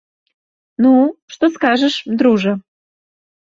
Ну, што скажаш, дружа?